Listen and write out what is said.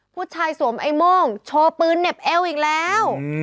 ผู้ชายสวมไอ้โม่งโชว์ปืนเน็บเอ้วอีกแล้ว